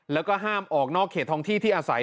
แล้วก็ห้ามออกนอกเขตท้องที่ที่อาศัย